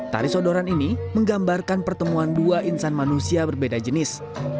tari sodoran ini menggambarkan pertemuan dua insan manusia berbeda jenis